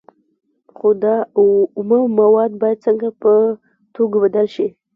خو دا اومه مواد باید څنګه په توکو بدل شي